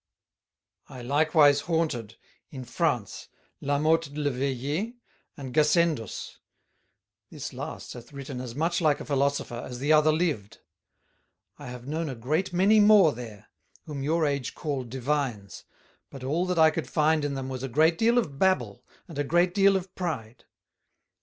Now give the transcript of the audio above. "I likewise haunted, in France, La Mothe le Vayer and Gassendus; this last hath written as much like a Philosopher, as the other lived: I have known a great many more there, whom your Age call Divines but all that I could find in them was a great deal of Babble and a great deal of Pride.